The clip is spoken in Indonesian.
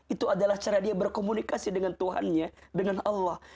itu adalah cara dia berkomunikasi dengan tuhannya dengan allah